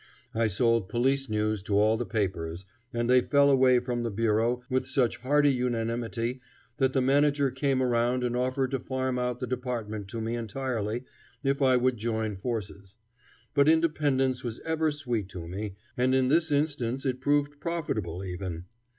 I sold police news to all the papers, and they fell away from the Bureau with such hearty unanimity that the manager came around and offered to farm out the department to me entirely if I would join forces. But independence was ever sweet to me, and in this instance it proved profitable even.